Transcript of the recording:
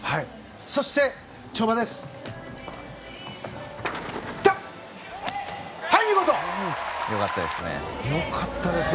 そして、跳馬です。